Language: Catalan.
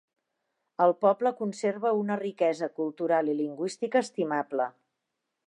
El poble conserva una riquesa cultural i lingüística estimable.